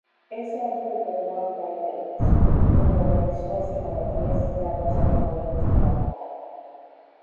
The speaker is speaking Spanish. Ese año retornó a Fray Bentos, donde realizó escenografías y carros alegóricos de carnaval.